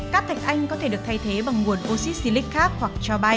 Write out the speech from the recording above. các thạch anh có thể được thay thế bằng nguồn oxy xylic khác hoặc cho bay